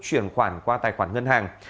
chuyển khoản qua tài khoản ngân hàng